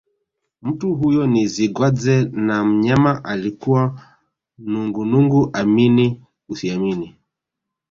Mtu huyo ni Zigwadzee na mnyama alikuwa nungunungu amini usiamini